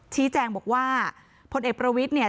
ชี้แจงบอกว่าพลเอกประวิทย์เนี่ย